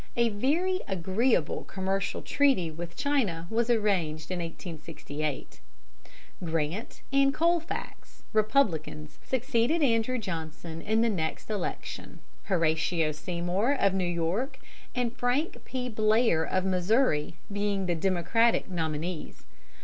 A very agreeable commercial treaty with China was arranged in 1868. Grant and Colfax, Republicans, succeeded Andrew Johnson in the next election, Horatio Seymour, of New York, and Frank P. Blair, of Missouri, being the Democratic nominees.